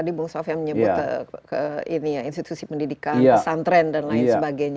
tadi bung sof yang menyebut institusi pendidikan santren dan lain sebagainya